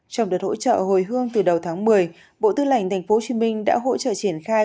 trong đợt hỗ trợ hồi hương từ đầu tháng một mươi bộ tư lệnh tp hcm đã hỗ trợ triển khai